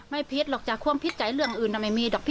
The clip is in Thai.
ไม่ผิดหรอกจะควรผิดใจเรื่องอื่นไม่มี